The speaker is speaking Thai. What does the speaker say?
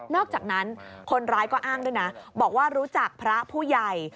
อกจากนั้นคนร้ายก็อ้างด้วยนะบอกว่ารู้จักพระผู้ใหญ่